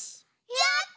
やった！